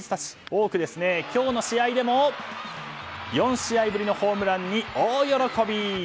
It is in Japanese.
多くいて、今日の試合でも４試合ぶりのホームランに大喜び。